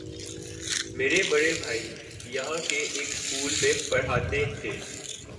میرے بڑے بھائی یہاں کے ایک سکول میں پڑھاتے تھے۔